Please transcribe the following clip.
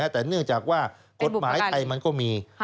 แต่เนื่องจากว่ากฎหมายไทยมันก็มี